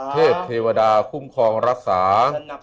เทพเทวดาคุ้มครองรักษา